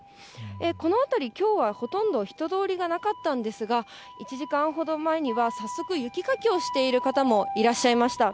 この辺り、きょうはほとんど人通りがなかったんですが、１時間ほど前には早速、雪かきをしている方もいらっしゃいました。